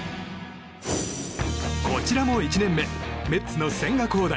こちらも１年目メッツの千賀滉大。